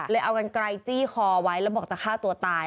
เอากันไกลจี้คอไว้แล้วบอกจะฆ่าตัวตาย